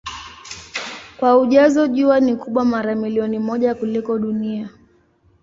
Kwa ujazo Jua ni kubwa mara milioni moja kuliko Dunia.